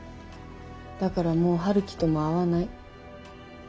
だからもう陽樹とも会わない。